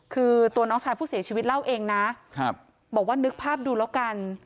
คือตัวน้องชายผู้เสียชีวิตเล่าเองนะบอกว่านึกภาพดูแล้วกัน